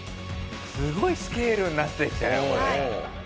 すごいスケールになってきたよこれ。